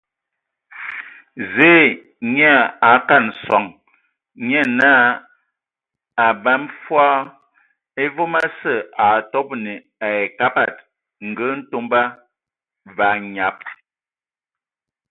Zǝǝ nyaa a kana sɔŋ, nye naa a mbaa fɔɔ e vom osǝ a atoban ai Kabad ngǝ Ntomba, və anyab.